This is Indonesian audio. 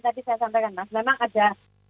tadi saya sampaikan mas memang ada